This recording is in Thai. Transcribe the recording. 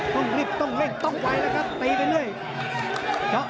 ต้องรีบต้องเล่นต้องไหวนะครับ